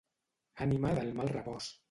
Ànima del mal repòs.